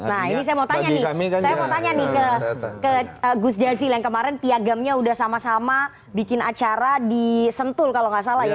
nah ini saya mau tanya nih saya mau tanya nih ke gus jazil yang kemarin piagamnya udah sama sama bikin acara di sentul kalau nggak salah ya